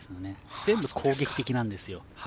全部、攻撃的なんですよ。